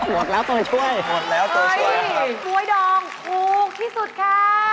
อุ๊ยบ๊วยดองถูกที่สุดค่ะ